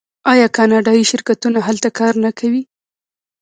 آیا کاناډایی شرکتونه هلته کار نه کوي؟